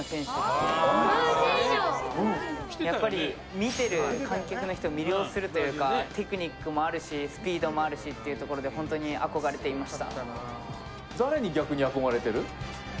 見てる観客の人を魅了するというかテクニックもあるしスピードもあるしっていうところで本当に憧れていました。